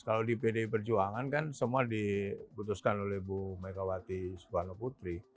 kalau di pdi perjuangan kan semua diputuskan oleh bu megawati soekarno putri